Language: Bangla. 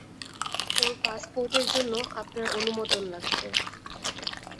ওর পাসপোর্টের জন্য আপনার অনুমোদন লাগবে।